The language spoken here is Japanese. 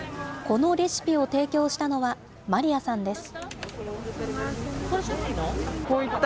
このレシピを提供したのは、マリアさんです。